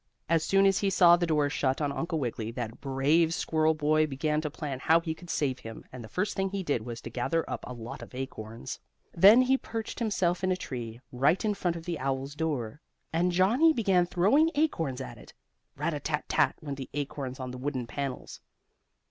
As soon as he saw the door shut on Uncle Wiggily, that brave squirrel boy began to plan how he could save him, and the first thing he did was to gather up a lot of acorns. Then he perched himself in a tree, right in front of the owl's door, and Johnnie began throwing acorns at it. "Rat a tat tat!" went the acorns on the wooden panels.